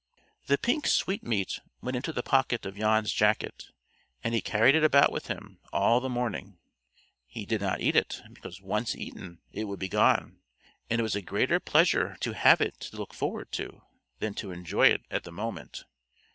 The pink sweetmeat went into the pocket of Jan's jacket, and he carried it about with him all the morning. He did not eat it, because once eaten it would be gone, and it was a greater pleasure to have it to look forward to, than to enjoy it at the moment.